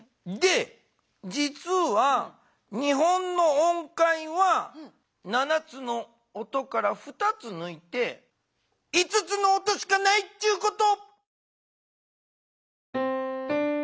じつは日本の音階は７つの音から２つぬいて５つの音しかないっちゅうこと。